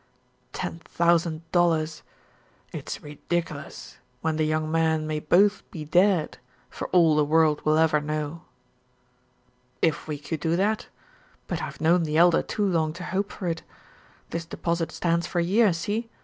Ten thousand dollars! It's ridiculous, when the young men may both be dead, for all the world will ever know." "If we could do that but I've known the Elder too long to hope for it. This deposit stands for a year, see?